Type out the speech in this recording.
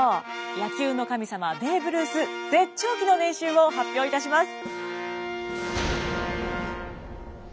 野球の神様ベーブ・ルース絶頂期の年収を発表いたします。